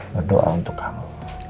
nge doa untuk kamu